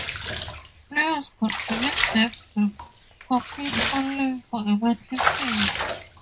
Players could create decks and compete online for a monthly fee.